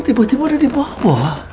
tiba tiba ada di bawah